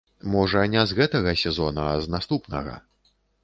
Можа не з гэтага сезона, з наступнага.